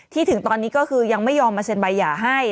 ถึงตอนนี้ก็คือยังไม่ยอมมาเซ็นใบหย่าให้